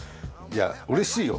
うれしいよ。